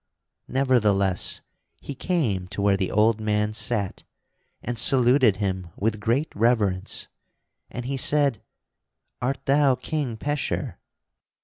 Nevertheless, he came to where the old man sat and saluted him with great reverence, and he said: "Art thou King Pecheur?"